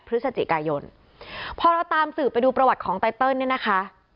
พฤศจิกายนพอเราตามสื่อไปดูประวัติของไตเติลเนี่ยนะคะ